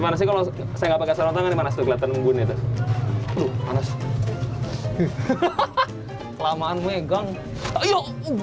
panas kalau saya pakai salam tangan dimana segelatan unggunnya itu lalu panas hahaha kelamaan megang